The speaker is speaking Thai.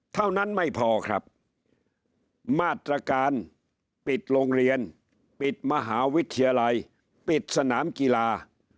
เท่านั้นไม่พอครับมาตรการปิดโรงเรียนปิดมหาวิทยาลัยปิดสนามกีฬา